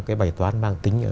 cái bài toán mang tính